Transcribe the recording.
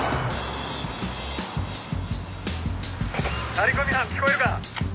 張り込み班聞こえるか？